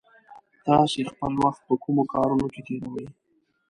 تاسې خپل وخت په کومو کارونو کې تېروئ؟